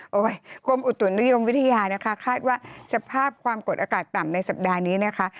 โดยกรมอุตุนิยมวิทยานะคะคาดว่าสภาพความกดอากาศต่ำในสัปดาห์นี้นะคะ